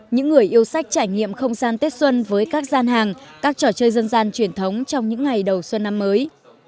những người yêu sách trải nghiệm không gian tết xuân với các gian hàng các trò chơi dân gian truyền thống trong những ngày đầu xuân năm mới